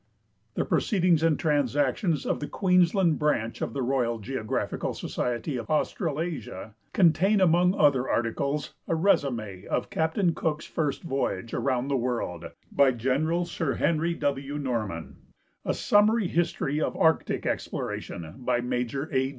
The Proceeduigs and Transactions of the Queensland Branch of the Royal Geographical Society of Australasia contain, among other articles, 28 NATIONAL GEOGRAPHIC SOCIETY a Resume of Capt. Cook's First Voyage Around the AVorld, by Gen. Sir Henry W. Norman; a siimmar}' liistory of Arctic exploration, by Major A.